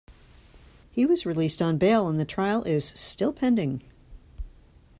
He was released on bail and the trial is still pending.